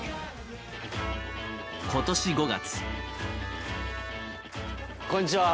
今年５月。